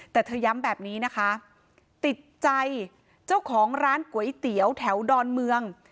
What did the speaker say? แต่เธอย้ำแบบนี้นะคะติดใจเจ้าของร้านก๋วยเตี๋ยวแถวดอนเมือง